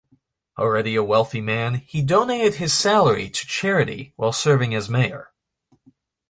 Already a wealthy man, he donated his salary to charity while serving as mayor.